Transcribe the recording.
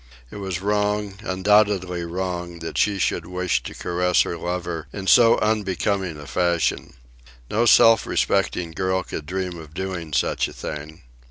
It was wrong, undoubtedly wrong, that she should wish to caress her lover in so unbecoming a fashion. No self respecting girl could dream of doing such a thing.